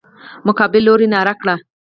مقابل لوري ناره کړه.